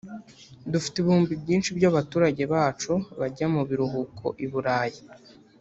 Dufite ibihumbi byinshi by’abaturage bacu bajya mu biruhuko i Burayi